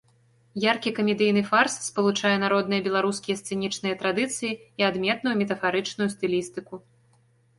Яркі камедыйны фарс спалучае народныя беларускія сцэнічныя традыцыі і адметную метафарычную стылістыку.